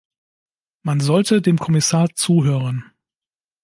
Man sollte dem Kommissar zuhören!